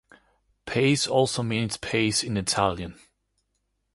"Pace" also means "peace" in Italian.